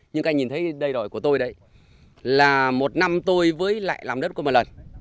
nhưng các anh nhìn thấy đầy đổi của tôi đấy là một năm tôi với lại làm đất có một lần